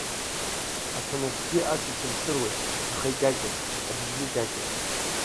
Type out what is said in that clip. Аҭанақьгьы ас ицырцыруеит, аха икьакьоуп, абжьгьы кьакьоуп.